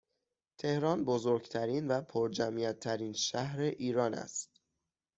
تهران بزرگترین و پرجمعیت ترین شهر ایران است